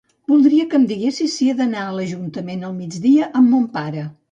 Voldria que em diguessis si he d'anar a l'ajuntament al migdia amb mon pare.